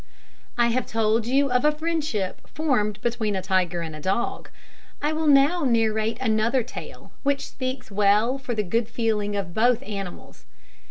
I have told you of a friendship formed between a tiger and a dog. I will now narrate another tale, which speaks well for the good feeling of both animals.